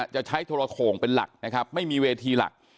จะใช้โทรโขงเป็นหลักไม่มีเวทีหลัก